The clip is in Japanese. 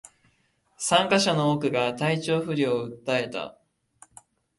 参加者の多くが体調不良を訴えた